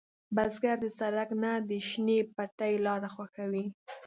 بزګر د سړک نه، د شنې پټي لاره خوښوي